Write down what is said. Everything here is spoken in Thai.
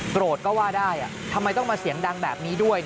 โรธก็ว่าได้ทำไมต้องมาเสียงดังแบบนี้ด้วย